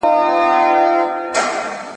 هر اندام یې وو له وېري لړزېدلی.